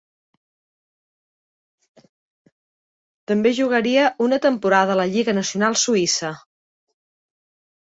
També jugaria una temporada a la Lliga Nacional Suïssa.